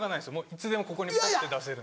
いつでもここにポッて出せる。